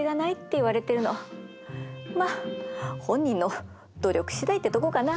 まっ本人の努力次第ってとこかな。